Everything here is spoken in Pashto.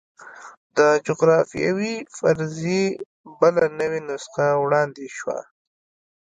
د جغرافیوي فرضیې بله نوې نسخه وړاندې شوه.